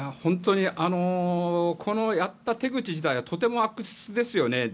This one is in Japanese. このやった手口自体はとても悪質ですよね。